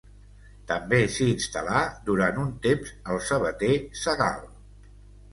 També s'hi instal·là durant un temps el sabater Sagal.